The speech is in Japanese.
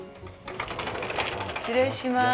失礼します。